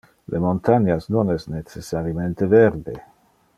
Le montanias non es necessarimente verde.